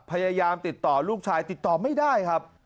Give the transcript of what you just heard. พยายามติดต่อลูกชายติดต่อไม่ได้ครับ